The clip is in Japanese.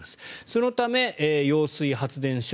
そのため揚水発電所。